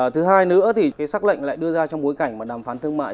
thứ hai nữa thì cái xác lệnh lại đưa ra trong bối cảnh mà đàm phán thương mại